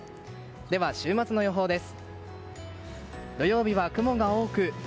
では、週末の予報です。